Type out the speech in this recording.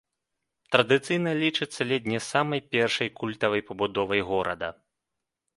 Традыцыйна лічыцца ледзь не самай першай культавай пабудовай горада.